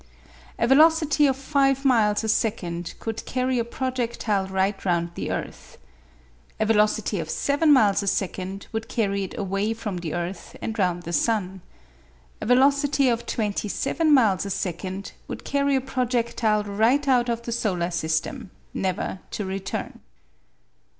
A velocity of 5 miles a second could carry a projectile right round the earth. A velocity of 7 miles a second would carry it away from the earth, and round the sun. A velocity of 27 miles a second would carry a projectile right out of the solar system never to return.